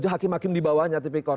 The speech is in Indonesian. hakim hakim dibawahnya tipikor